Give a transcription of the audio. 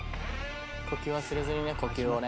呼吸忘れずにね呼吸をね。